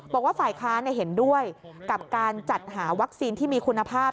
บอกว่าฝ่ายค้านเห็นด้วยกับการจัดหาวัคซีนที่มีคุณภาพ